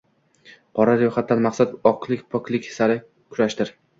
Qora ro`yxatdan maqsad oqlik-poklik sari kurashdir